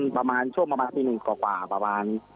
ประมาณช่วงประมาณปี๑กว่าประมาณ